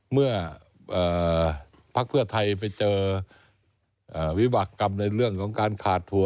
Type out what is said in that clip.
เมื่อภลักรณ์เพื่อไทยไปเจอวิบัติกรรมเรื่องของขาดหัว